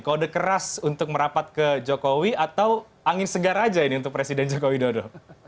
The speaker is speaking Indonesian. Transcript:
kode keras untuk merapat ke jokowi atau angin segar aja ini untuk presiden joko widodo